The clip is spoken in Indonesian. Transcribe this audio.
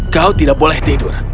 kau tidak boleh tidur